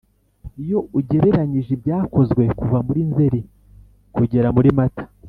Iyo ugereranyije ibyakozwe kuva muriNzeri kugera murimata